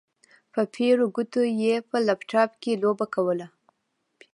په پېړو ګوتو يې په لپټاپ کې لوبه کوله.